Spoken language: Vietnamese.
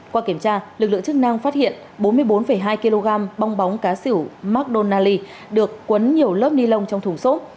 qua kiểm tra lực lượng chức năng phát hiện bốn mươi bốn hai kg bong bóng cá sử mcdonald s được quấn nhiều lớp ni lông trong thùng sốt